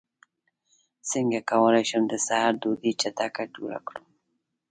څنګه کولی شم د سحر ډوډۍ چټکه جوړه کړم